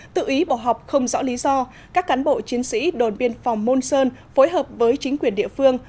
tự ý bỏ học không rõ lý do các cán bộ chiến sĩ đồn biên phòng môn sơn phối hợp với chính quyền địa phương